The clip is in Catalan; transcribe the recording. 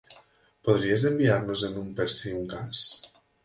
Podries enviar-nos-en un per si un cas?